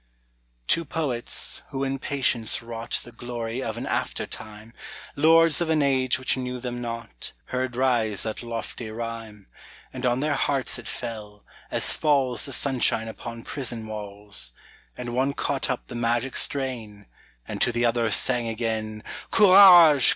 Two poets, who in patience wrought The glory of an aftertime, Lords of an age which knew them not, Heard rise that lofty rhyme; And on their hearts it fell, as falls The sunshine upon prison walls; And one caught up the magic strain And to the other sang again Courage!